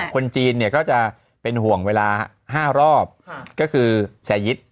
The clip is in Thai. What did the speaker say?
คนจีนก็จะเป็นห่วงเวลา๕รอบก็คือแส่ยิทธิ์